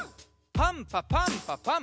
パンパパンパパン！